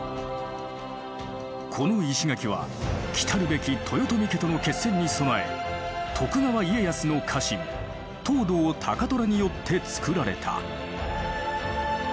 この石垣は来るべき豊臣家との決戦に備え徳川家康の家臣藤堂高虎によって造られた。